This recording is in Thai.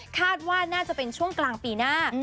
คาดว่าน่าจะเป็นช่วงกลางปีหน้า